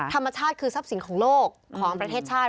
ธรรมชาติคือทรัพย์สินของโลกของประเทศชาติ